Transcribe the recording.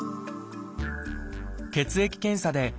血液検査でＣＤ